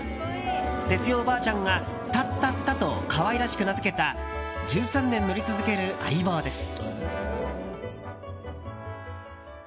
哲代おばあちゃんがタッタッタと可愛らしく名づけた１３年乗り続ける相棒です。